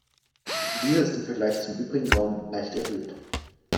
Dieser ist im Vergleich zum übrigen Raum leicht erhöht.